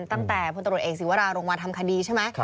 ตั้งแต่พลตรวจเอกศิวราลงมาทำคดีใช่ไหม